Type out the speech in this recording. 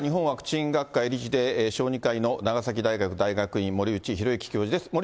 ワクチン学会理事で小児科医の長崎大学大学院、森内浩幸教授です。